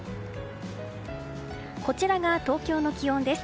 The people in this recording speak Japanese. こちらが東京の気温です。